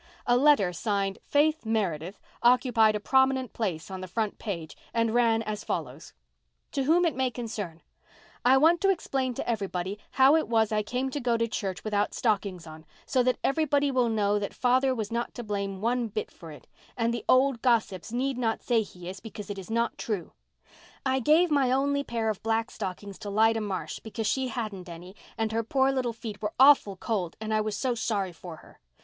A letter signed "Faith Meredith" occupied a prominent place on the front page and ran as follows:— "TO WHOM IT MAY CONCERN: "I want to explain to everybody how it was I came to go to church without stockings on, so that everybody will know that father was not to blame one bit for it, and the old gossips need not say he is, because it is not true. I gave my only pair of black stockings to Lida Marsh, because she hadn't any and her poor little feet were awful cold and I was so sorry for her.